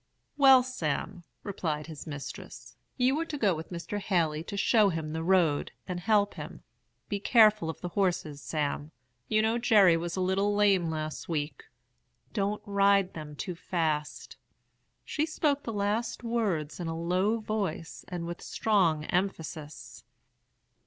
"'Well, Sam,' replied his mistress, 'you are to go with Mr. Haley to show him the road, and help him. Be careful of the horses, Sam. You know Jerry was a little lame last week. Don't ride them too fast.' She spoke the last words in a low voice, and with strong emphasis.